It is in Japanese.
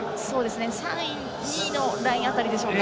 ３位、２位のライン辺りでしょうか。